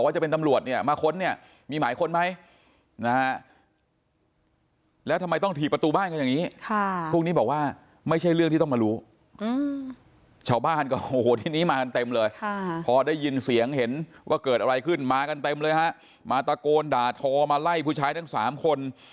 ชาวบ้านก็โอ้โหที่นี้มากันเต็มเลยพอได้ยินเสียงเห็นว่าเกิดอะไรขึ้นมากันเต็มเลยมาตะโกนด่าทอมาไล่ผู้ชายทั้ง๓คน